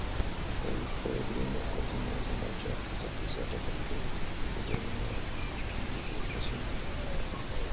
El peregrino continúa su marcha hasta cruzar la carretera y llega a una bifurcación.